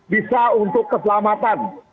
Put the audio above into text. bisa untuk keselamatan